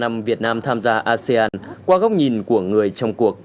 hai mươi năm năm việt nam tham gia asean qua góc nhìn của người trong cuộc